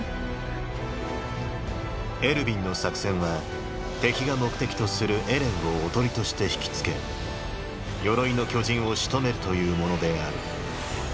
エルヴィンの作戦は敵が目的とするエレンを囮として引きつけ鎧の巨人を仕留めるというものである。